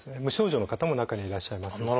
無症状の方も中にはいらっしゃいます。